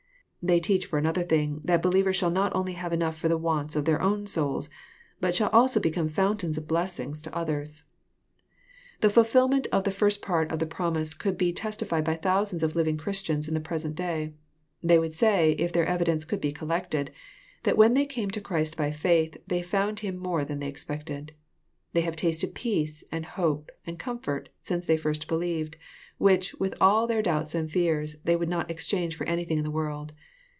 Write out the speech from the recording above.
They teach, for another thing, that believers shall not only have enough for the wants of their own souls, but shall also become fountains of blessings to others. 42 EXFOSITOBT THOUGHTS. The fulfilment of the first part of the promise could be testified by thousands of living Christians in the present day. They would say, if their evidence could be collected, that when they camelo Christ by faith, thejjound in Him more than_they expected. They have tasted peace, and hope, and comfort, since they first believed, which, with all their doubts and fears, they would not exchange for anything in this world.